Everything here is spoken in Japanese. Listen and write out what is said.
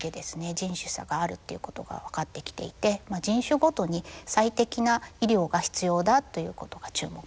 人種差があるっていうことが分かってきていて人種ごとに最適な医療が必要だということが注目されていますね。